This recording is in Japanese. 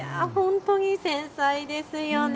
本当に繊細ですよね。